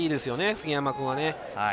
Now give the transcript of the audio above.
杉山君は。